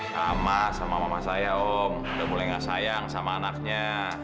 sama sama mama saya om udah mulai gak sayang sama anaknya